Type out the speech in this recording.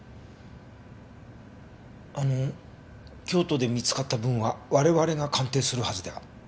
あの京都で見つかった分は我々が鑑定するはずでは？